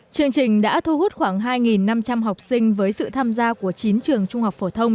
chương trình đã thu hút khoảng hai năm trăm linh học sinh với sự tham gia của chín trường trung học phổ thông